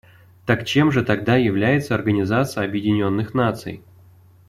Так чем же тогда является Организация Объединенных Наций?